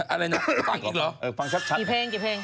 อะไรนะฟังอีกเหรอเออฟังชัดกี่เพลง